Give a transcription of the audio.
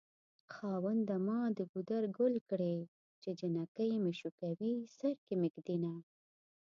خاونده ما د ګودر ګل کړې چې جنکۍ مې شوکوي سر کې مې ږدينه